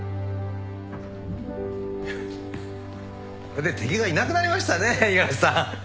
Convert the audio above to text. これで敵がいなくなりましたね五十嵐さん。